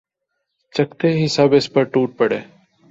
چکھتے ہی سب اس پر ٹوٹ پڑے